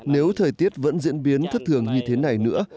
nếu thời tiết vẫn diễn biến thất thường như thế này nữa